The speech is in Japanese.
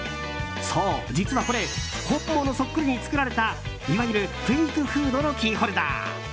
そう、実はこれ本物そっくりに作られたいわゆるフェイクフードのキーホルダー。